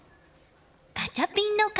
ガチャピンの顔